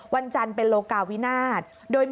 วันจันทร์เป็นโลกาวินาศ